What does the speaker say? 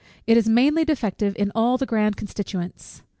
It is mainly defective in all the grand constituents.